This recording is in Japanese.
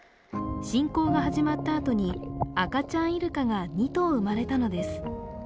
侵攻が始まったあとに赤ちゃんイルカが２頭生まれたのです。